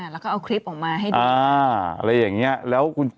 แล้วก็เอาคลิปออกมาให้ดู